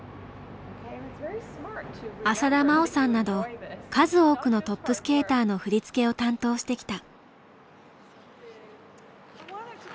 浅田真央さんなど数多くのトップスケーターの振り付けを担当してきた。